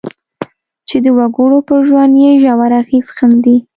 چې د وګړو پر ژوند یې ژور اغېز ښندي.